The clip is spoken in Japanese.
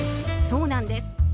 そうなんです。